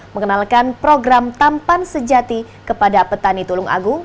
mengenalkan program tampan sejati kepada petani tulung agung